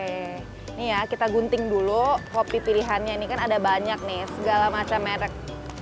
ini ya kita gunting dulu kopi pilihannya ini kan ada banyak nih segala macam merek